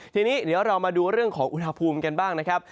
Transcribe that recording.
ทีนี้เดี๋ยวเรามาดูเรื่องของอุณหภูมิกันบ้างนะครับ